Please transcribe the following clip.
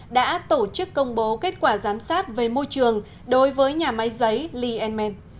đã tổ chức công bố kết quả giám sát về môi trường đối với nhà máy giấy lee men